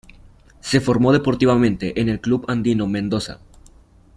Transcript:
Se formó deportivamente en el Club Andino Mendoza.